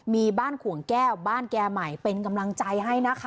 มีบ้านขวงแก้วบ้านแก่ใหม่เป็นกำลังใจให้นะคะ